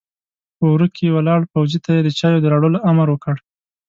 په وره کې ولاړ پوځي ته يې د چايو د راوړلو امر وکړ!